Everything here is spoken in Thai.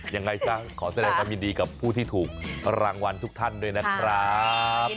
ยังไงซะขอแสดงความยินดีกับผู้ที่ถูกรางวัลทุกท่านด้วยนะครับ